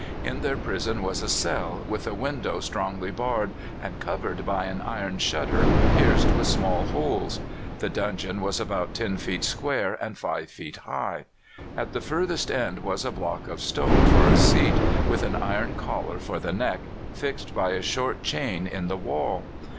In their prison was a cell, with a window strongly barred, and covered by an iron shutter pierced with small holes. The dungeon was about 10 feet square and 5 feet high. At the furthest end was a block of stone for a seat, with an iron collar for the neck, fixed by a short chain in the wall.